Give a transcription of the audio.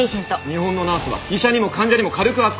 日本のナースは医者にも患者にも軽く扱われるんです！